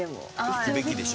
「行くべき」でしょ。